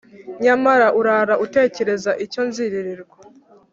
nyamara urara utekereza icyo nziririrwa